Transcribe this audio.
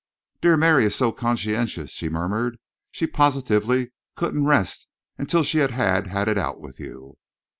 "Dear Mary is so conscientious," she murmured. "She positively couldn't rest until she had had it out with you."